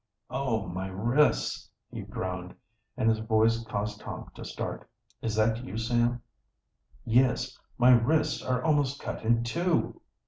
"Oh, my wrists!" he groaned, and his voice caused Tom to start. "Is that you, Sam?" "Yes. My wrists are almost cut in two!"